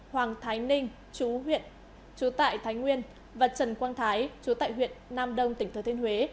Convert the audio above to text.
hoàng thái ninh chú huyện chú tại thái nguyên và trần quang thái chú tại huyện nam đông tỉnh thừa thiên huế